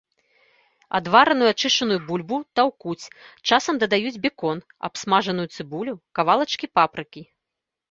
Адвараную ачышчаную бульбу таўкуць, часам дадаюць бекон, абсмажаную цыбулю, кавалачкі папрыкі.